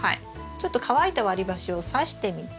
ちょっと乾いた割り箸をさしてみて。